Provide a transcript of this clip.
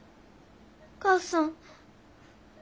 お母さん。